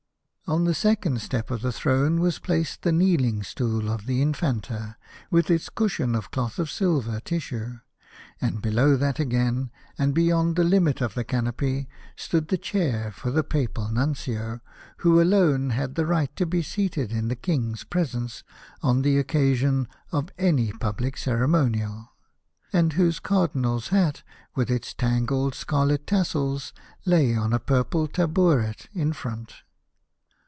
On the second step of the throne was placed the kneeling stool of the Infanta, with its cushion of cloth of silver tissue, and below that again, and beyond the limit of the canopy, stood the chair for the Papal Nuncio, who alone had the right to be seated in the King's presence on the occasion of any public ceremonial, and whose Cardinal's hat, with its tangled scarlet tassels, lay on a purple tabouret in front.